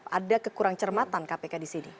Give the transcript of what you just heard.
jadi ini adalah mencermatan kpk di sini